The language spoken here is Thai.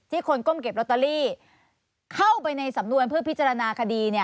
คนก้มเก็บลอตเตอรี่เข้าไปในสำนวนเพื่อพิจารณาคดีเนี่ย